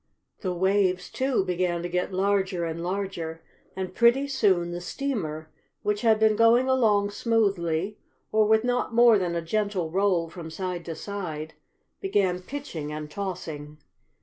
The waves, too, began to get larger and larger and, pretty soon, the steamer, which had been going along smoothly, or with not more than a gentle roll from side to side, began pitching and tossing.